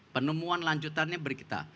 penemuan lanjutannya beri kita